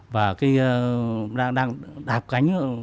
và đang đạp cánh